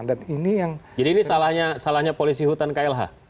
jadi ini salahnya polisi hutan klh